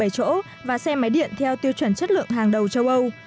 bảy chỗ và xe máy điện theo tiêu chuẩn chất lượng hàng đầu châu âu